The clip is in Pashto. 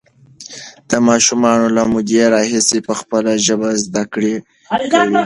ماشومان له مودې راهیسې په خپله ژبه زده کړه کوي.